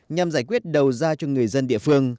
nhằm giải quyết đầu ra cho người dân địa phương